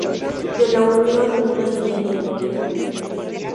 De la unión no nacería ningún hijo.